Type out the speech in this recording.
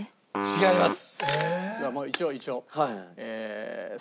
違います。